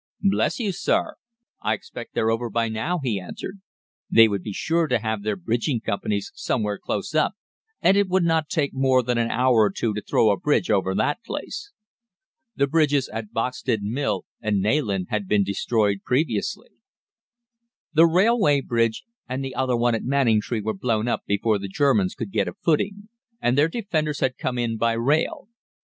'Bless you, sir, I expect they're over by now,' he answered. 'They would be sure to have their bridging companies somewhere close up, and it would not take them more than an hour or two to throw a bridge over that place.' The bridges at Boxted Mill and Nayland had been destroyed previously. "The railway bridge and the other one at Manningtree were blown up before the Germans could get a footing, and their defenders had come in by rail.